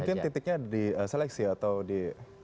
mungkin titiknya di seleksi atau di